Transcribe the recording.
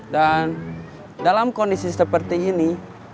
dan dalam kondisi seperti ini